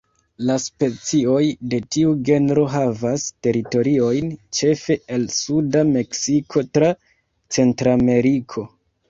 La specioj de tiu genro havas teritoriojn ĉefe el suda Meksiko tra Centrameriko.